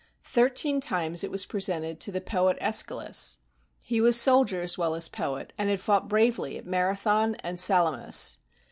Thirteen times it was presented to the poet ^schylus. He was soldier as well as poet, and had fought bravely at Marathon and Sala mis.